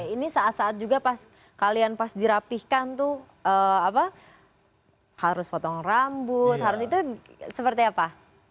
ini saat saat juga pas kalian pas dirapihkan tuh harus potong rambut harus itu seperti apa